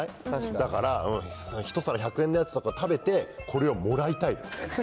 だから、１皿１００円のやつとか食べて、これをもらいたいですね